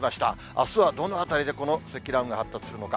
あすはどの辺りでこの積乱雲が発達するのか。